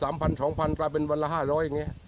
สองพันกลายเป็นวันละ๕๐๐อย่างนี้